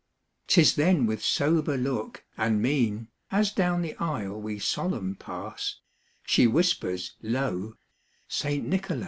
Tis then with sober look, and mein, As down the aisle we, solemn, pass, She whispers low, 'St. Nicholas.